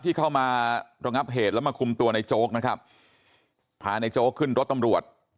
ที่เข้ามาระงับเหตุแล้วมาคุมตัวในโจ๊กนะครับพาในโจ๊กขึ้นรถตำรวจ